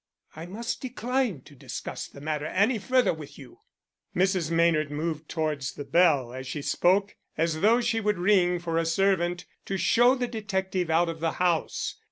"I must decline to discuss the matter any further with you." Mrs. Maynard moved towards the bell as she spoke, as though she would ring for a servant to show the detective out of the house.